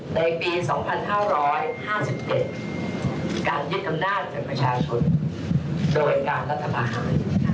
ในปีสองพันห้าร้อยห้าสิบเจ็ดการยืดตำหน้าจากประชาชนโดยการรัฐบาล